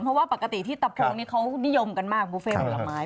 เพราะว่าปกติที่ตะโพงนี่เขานิยมกันมากบุฟเฟ่ผลไม้